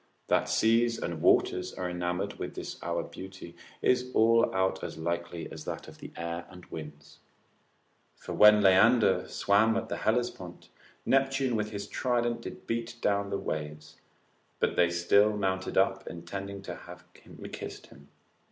That seas and waters are enamoured with this our beauty, is all out as likely as that of the air and winds; for when Leander swam in the Hellespont, Neptune with his trident did beat down the waves, but They still mounted up intending to have kiss'd him.